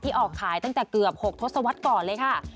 ออกขายตั้งแต่เกือบ๖ทศวรรษก่อนเลยค่ะ